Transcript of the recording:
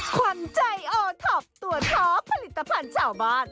ขวัญใจโอท็อปตัวท้อผลิตภัณฑ์ชาวบ้าน